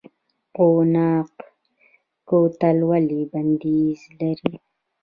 قوناق کوتل ولې بندیز لري؟